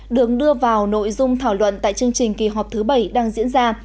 được đưa vào nội dung thảo luận tại chương trình kỳ họp thứ bảy đang diễn ra